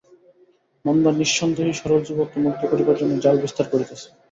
মন্দা নিঃসন্দেহই সরল যুবককে মুগ্ধ করিবার জন্য জাল বিস্তার করিতেছে।